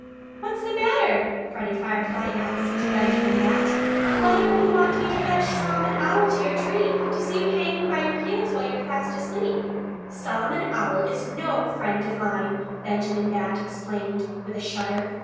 "What's the matter?" Freddie Firefly asked Benjamin Bat. "Why don't you want me to fetch Solomon Owl to your tree, to see you hanging by your heels when you're fast asleep?" "Solomon Owl is no friend of mine," Benjamin Bat explained with a shudder.